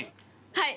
はい。